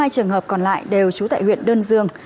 hai trường hợp còn lại đều trú tại huyện đơn dương